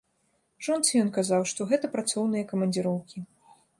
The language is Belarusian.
Жонцы ён казаў, што гэта працоўныя камандзіроўкі.